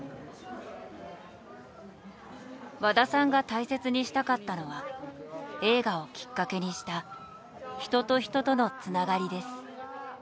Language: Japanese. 和田さんが大切にしたかったのは映画をきっかけにした人と人とのつながりです。